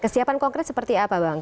kesiapan konkret seperti apa bang